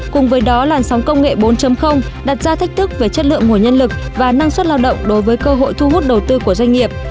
cùng với đó làn sóng công nghệ bốn đặt ra thách thức về chất lượng nguồn nhân lực và năng suất lao động đối với cơ hội thu hút đầu tư của doanh nghiệp